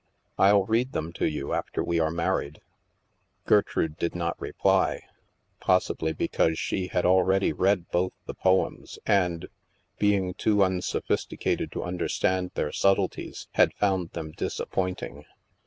I'll read them to you after we are married." Gertrude did not reply. Possibly because she had already read both the poems and, being too un sophisticated to understand their subtleties, had found them disappointing.